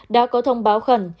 đã có thông báo khẩn